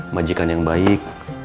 majikan yang baik